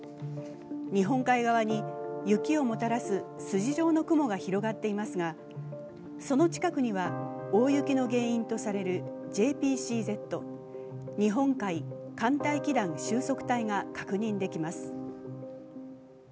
日本海側に雪をもたらす筋状の雲が広がっていますが、その近くには大雪の原因とされるＪＰＣＺ＝日本海寒帯気団収束帯が確認できます。